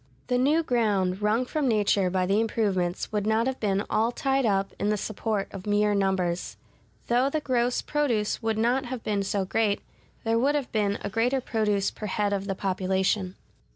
The new ground wrung from nature by the improvements would not have been all tied up in the support of mere numbers. Though the gross produce would not have been so great, there would have been a greater produce per head of the population.